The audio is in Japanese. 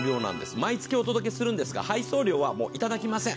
毎月お届けするんですが、配送料はいただきません。